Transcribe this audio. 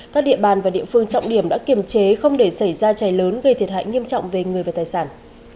các địa bàn và địa phương trọng điểm đã kiềm chế không để xảy ra cháy lớn gây thiệt hại nghiêm trọng về người và tài sản